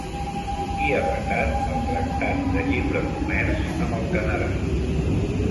Qui ha vetat el tractat de lliure comerç amb el Canadà?